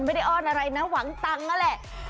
อ้อนอะไรนะหวังตังค์นั่นแหละ